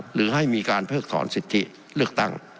หรือให้มีการเพิกถอนสิทธิเลือกตั้ง